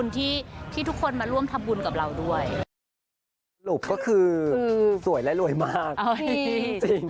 ที่ทุกคนมาร่วมทำบุญกับเราด้วยสรุปก็คือสวยและรวยมากจริง